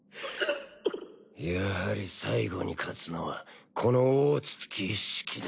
やはり最後に勝つのはこの大筒木イッシキだ。